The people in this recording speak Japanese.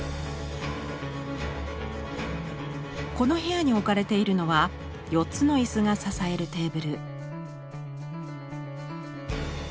この部屋に置かれているのは４つの椅子が支えるテーブル。